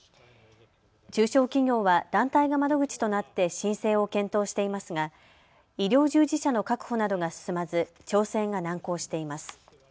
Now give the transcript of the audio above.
中小企業は団体が窓口となって申請を検討していますが医療従事者の確保などが進まず、調整が難航しています。